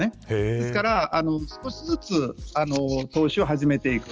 ですから、少しずつ投資を始めていく。